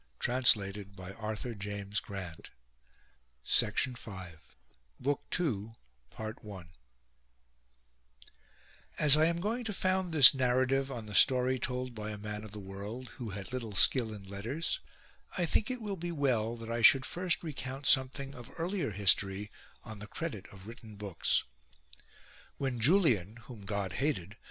104 BOOK II CONCERNING THE WARS AND MILITARY EXPLOITS OF CHARLES As I am going to found this narrative on the story told by a man of the world, who had little skill in letters, I think it will be well that I should first recount something of earlier history on the credit of written books. When Julian, whom God hated, vw?